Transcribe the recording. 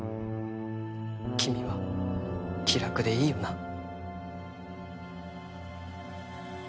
君は気楽でいいよな。